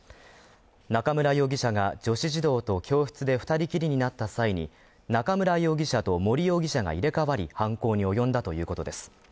中村容疑者が女子児童と教室で２人きりになった際に中村容疑者と森容疑者が入れ替わり、犯行に及んだということです。